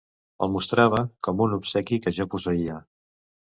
El mostrava com un obsequi que jo posseïa.